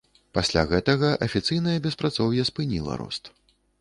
Пасля гэтага афіцыйнае беспрацоўе спыніла рост.